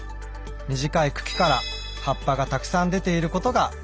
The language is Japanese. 短い茎から葉っぱがたくさん出ていることがわかります。